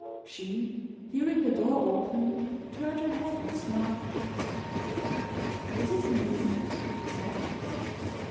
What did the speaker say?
She, hearing the door open, turned her head and smiled: "Is it you?" she said.